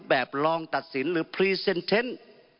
ลองตัดสินหรือพรีเซนเทนต์